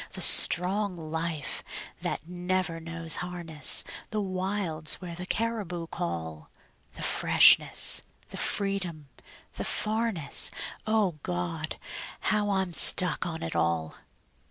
The strong life that never knows harness; The wilds where the caribou call; The freshness, the freedom, the farness O God! how I'm stuck on it all.